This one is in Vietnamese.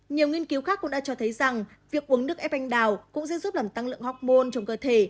nhiều nghiên cứu khác cũng đã cho thấy rằng việc uống nước ép anh đào cũng sẽ giúp làm tăng lượng học môn trong cơ thể